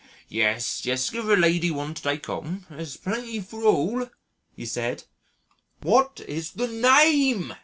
"Yes, yes, give the lady one to take home there's plenty for all," he said. "What is the NAME?